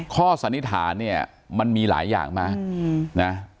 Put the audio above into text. ข้อสนิทาเนี่ยมันมีหลายอย่างนะนะ